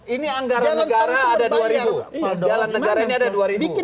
ini anggaran negara ada dua ribu